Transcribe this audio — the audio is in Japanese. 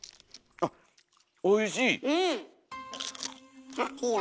あっおいしい！